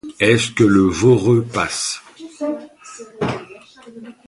Est-ce que le Voreux passe?